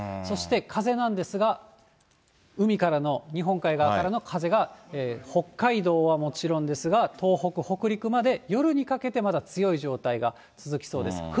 そして風なんですが、海からの、日本海側からの風が北海道はもちろんですが、東北、北陸まで夜にかけてまだ強い状態が続きそうです。